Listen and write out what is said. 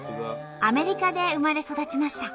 アメリカで生まれ育ちました。